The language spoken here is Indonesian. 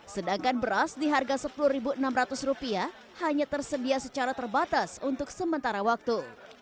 sedangkan beras di harga rp sepuluh enam ratus hanya tersedia secara terbatas untuk sementara waktu